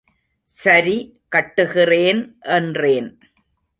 சரி கட்டுகிறேன் என்றேன்.